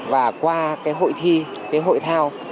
và qua hội thi hội thao